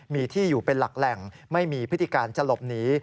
มีที่อยู่เป็นหลักแหล่งไม่มีพฤติการจะหลบหนี